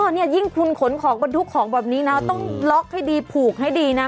นี่ยิ่งคุณขนของบรรทุกของแบบนี้นะต้องล็อกให้ดีผูกให้ดีนะ